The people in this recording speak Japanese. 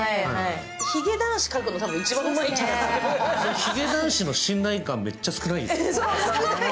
ヒゲ男子の信頼感、めっちゃ少ないですよね。